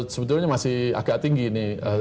sebetulnya masih agak tinggi ini